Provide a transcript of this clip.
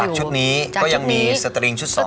จากชุดนี้ก็ยังมีสตริงชุดสองต่อ